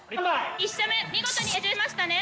１射目見事に命中しましたね。